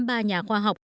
ba nhà khoa học